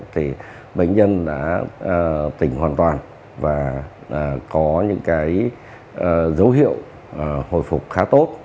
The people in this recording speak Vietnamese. thì bệnh nhân đã tỉnh hoàn toàn và có những cái dấu hiệu hồi phục khá tốt